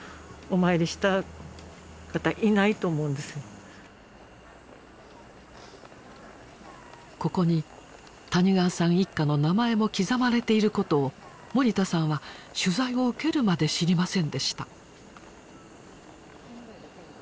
全然今ここに谷川さん一家の名前も刻まれていることを森田さんは取材を受けるまで知りませんでした。